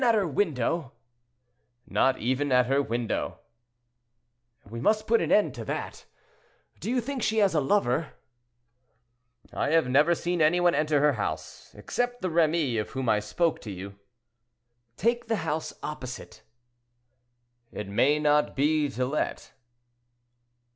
"Not even at her window?" "Not even at her window!" "We must put an end to that. Do you think she has a lover?" "I have never seen any one enter her house, except the Remy of whom I spoke to you." "Take the house opposite." "It may not be to let."